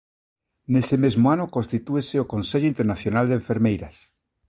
Nese mesmo ano constitúese o "Consello Internacional de Enfermeiras".